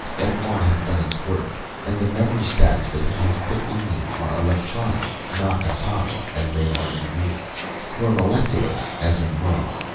F 1 has done its work, and the memory stacks that he has put in me are electronic, not atomic, as they are in you, nor molecular as in man.